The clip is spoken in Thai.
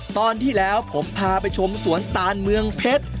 ตอนที่แล้วผมพาไปชมสวนตานเมืองเพชร